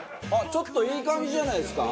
ちょっといい感じじゃないですか？